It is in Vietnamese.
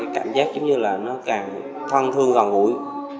cảm giác giống như là nó càng thân thương gần gũi